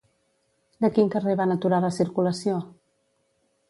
De quin carrer van aturar la circulació?